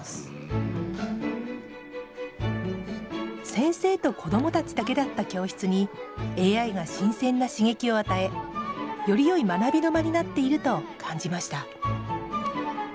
先生と子どもたちだけだった教室に、ＡＩが新鮮な刺激を与えよりよい学びの場になっていると感じました。